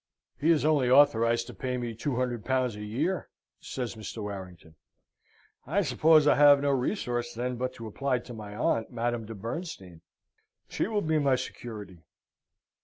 "He is only authorised to pay me two hundred pounds a year," says Mr. Warrington. "I suppose I have no resource, then, but to apply to my aunt, Madame de Bernstein. She will be my security."